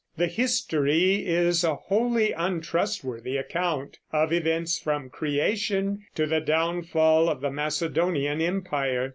The history is a wholly untrustworthy account of events from creation to the downfall of the Macedonian Empire.